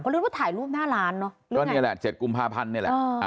รู้ว่าถ่ายรูปหน้าร้านเนอะก็นี่แหละ๗กุมภาพันธ์นี่แหละ